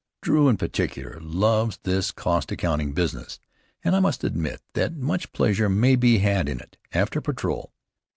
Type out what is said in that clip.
Drew, in particular, loves this cost accounting business, and I must admit that much pleasure may be had in it, after patrol.